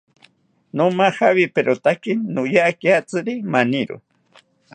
Nomajawiriperotaki noyakiatziri maniro